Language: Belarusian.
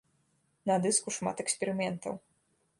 На дыску шмат эксперыментаў.